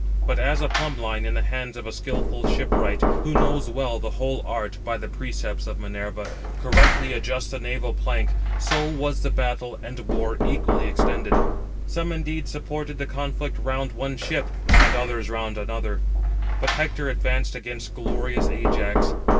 But as a plumb line in the hands of a skilful shipwright (who knows well the whole art by the precepts of Minerva) correctly adjusts the naval plank, so was the battle and war equally extended. Some indeed supported the conflict round one ship, and others round another, but Hector advanced against glorious Ajax.